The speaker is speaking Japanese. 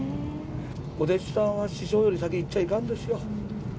お弟子さんは師匠より先に逝っちゃいかんですよ。